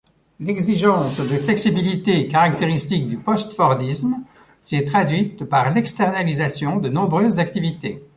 L'exigence de flexibilité caractéristique du post-fordisme s'est traduite par l'externalisation de nombreuses activités.